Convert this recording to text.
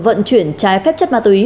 vận chuyển trái phép chất ma túy